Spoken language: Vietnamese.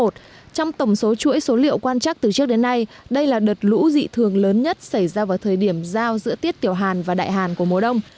trong tổng số chuỗi số liệu quan chắc từ trước đến nay đây là đợt lũ dị thường lớn nhất xảy ra vào thời điểm giao giữa tiết tiểu hàn và đại hàn của mùa đông